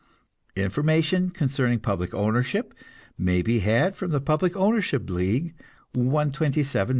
Information concerning public ownership may be had from the Public Ownership League, 127 N.